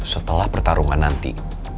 setelah pertarungan nanti